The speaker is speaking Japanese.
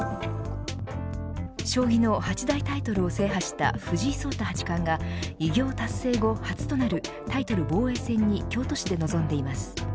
将棋の八大タイトルを制覇した藤井聡太八冠が偉業達成後、初となるタイトル防衛戦に京都市で臨んでいます。